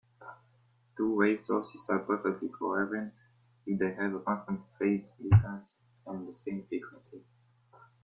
Two-wave sources are perfectly coherent if they have a constant phase difference and the same frequency.